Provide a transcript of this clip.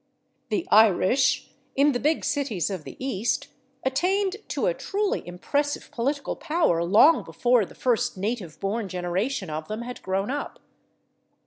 The Irish, in the big cities of the East, attained to a truly impressive political power long before the first native born generation of them had grown up.